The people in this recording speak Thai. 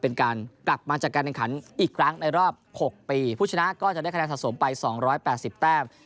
เป็นการกลับมาจากการแข่งขันอีกครั้งในรอบ๖ปีผู้ชนะก็จะได้คะแนนสะสมไป๒๘๐แต้ม